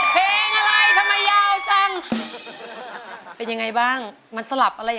เส้นใหญ่บางบางเงินแซ่นสุดท้าย